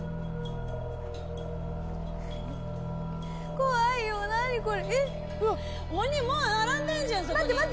怖いよ、何これ。